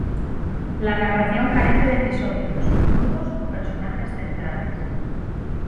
La narración carece de episodios, nudos o personajes centrales.